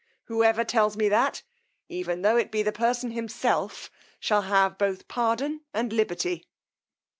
Whoever tells me that, even tho' it be the person himself, shall have both pardon and liberty.